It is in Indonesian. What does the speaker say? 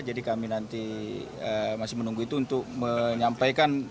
jadi kami nanti masih menunggu itu untuk menyampaikan